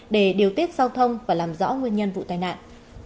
để điều tiết giao thông và làm rõ nguyên nhân vụ tai nạn